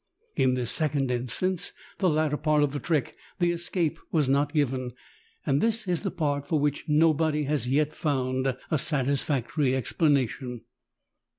In this second instance, the latter part of the trick, the escape, was not given, and this is a part for which nobody has yet found a satisfactory explanation.